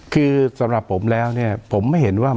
คือสำหรับผมแล้วเนี่ยผมไม่เห็นว่า